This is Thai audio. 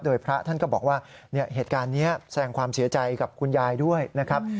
โดยพระท่านก็บอกว่าเหตุการณ์นี้แสดงความเสียใจกับคุณยายด้วยนะครับ